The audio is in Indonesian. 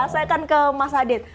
saya akan ke mas adit